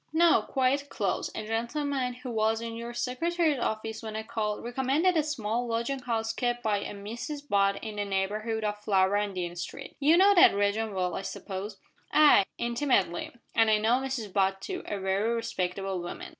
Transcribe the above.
"No, quite close. A gentleman, who was in your Secretary's office when I called, recommended a small lodging house kept by a Mrs Butt in the neighbourhood of Flower and Dean Street. You know that region well, I suppose?" "Ay intimately; and I know Mrs Butt too a very respectable woman.